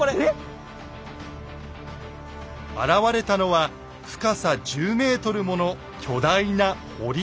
現れたのは深さ１０ｍもの巨大な堀。